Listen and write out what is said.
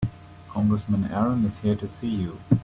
Congressman Aaron is here to see you.